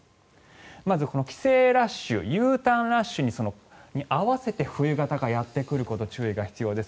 まず、帰省ラッシュＵターンラッシュに合わせて冬型がやってくるということに注意が必要です。